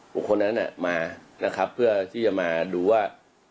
บุคคลนั้นมานะครับเพื่อที่จะมาดูว่า